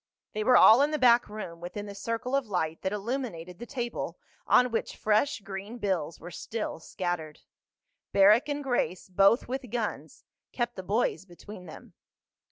They were all in the back room, within the circle of light that illuminated the table on which fresh green bills were still scattered. Barrack and Grace, both with guns, kept the boys between them.